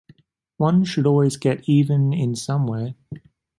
One should always get even in some way.